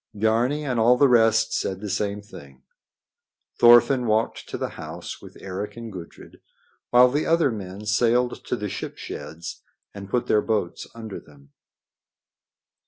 Biarni and all the rest said the same thing. Thorfinn walked to the house with Eric and Gudrid, while the other men sailed to the ship sheds and pulled their boats under them.